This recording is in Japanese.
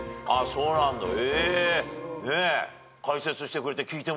そうなんだへぇ。